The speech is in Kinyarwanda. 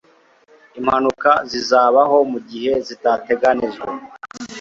Impanuka zizabaho mugihe zitateganijwe